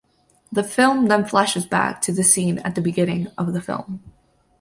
The film then flashes back to the scene at the beginning of the film.